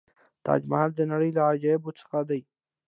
تاج محل د نړۍ له عجایبو څخه دی.